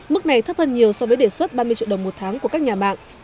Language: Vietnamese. mức này thấp hơn nhiều so với đề xuất ba mươi triệu đồng một tháng của các nhà mạng